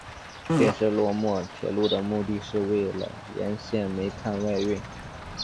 建设洛茂铁路的目的是为了沿线煤炭外运。